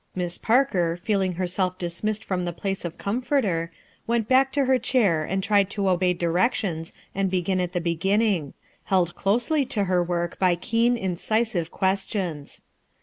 Miss Parker, feeling herself dismissed from the place of com forter, went back to her chair and tried to obey directions and begin at the beginning; held closely to her work by keen incisive questions.